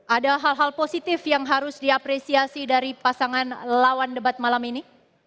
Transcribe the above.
ada hal hal positif yang harus diapresiasi dari pasangan lawan debat malam ini